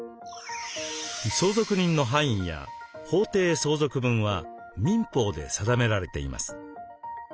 相続人の範囲や法定相続分は民法で定められています。